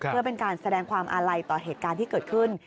เพื่อเป็นการแสดงความอาลัยต่อเหตุการณ์ที่เกิดขึ้น